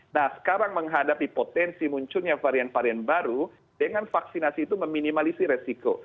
nah sekarang menghadapi potensi munculnya varian varian baru dengan vaksinasi itu meminimalisi resiko